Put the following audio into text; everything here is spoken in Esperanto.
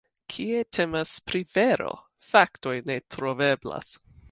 Kie temas pri vero, faktoj ne troveblas.